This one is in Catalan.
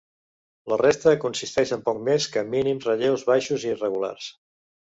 La resta consisteix en poc més que mínims relleus baixos i irregulars.